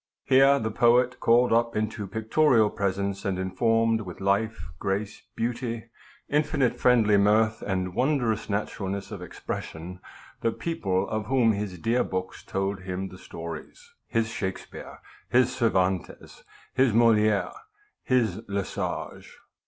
Here the poet called up into pictorial presence, and informed with life, grace, beauty, infinite friendly mirth and wondrous naturalness of expression, the people of whom his dear books told him the stories, his Shakspeare, his Cervantes, his Moliere, his Le Sage.